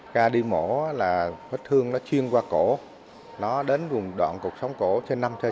ca đi mổ là huyết thương nó chuyên qua cổ nó đến vùng đoạn cục sống cổ trên năm trời sáu